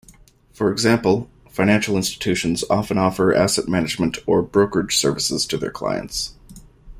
For example, financial institutions often offer asset management or brokerage services to their clients.